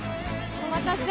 お待たせ。